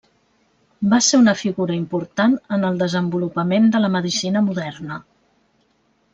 Va ser una figura important en el desenvolupament de la medicina moderna.